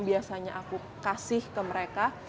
biasanya aku kasih ke mereka